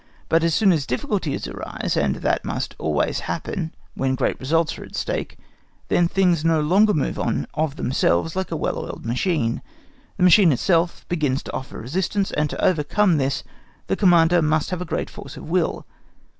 But as soon as difficulties arise—and that must always happen when great results are at stake—then things no longer move on of themselves like a well oiled machine, the machine itself then begins to offer resistance, and to overcome this the Commander must have a great force of will.